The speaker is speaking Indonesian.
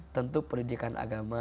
tentu pendidikan agama